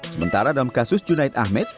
sementara dalam kasus junaid ahmed